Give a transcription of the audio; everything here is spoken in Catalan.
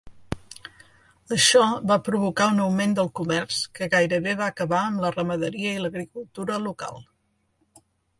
Això va provocar un augment del comerç que gairebé va acabar amb la ramaderia i l'agricultura local.